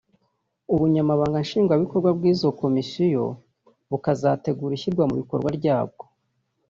ubunyamabanga Nshingwabikorwa bw’izo komisiyo bukazategura ishyirwa mu bikorwa ryabwo